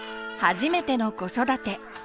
初めての子育て。